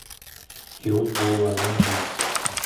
Eu vou além disso.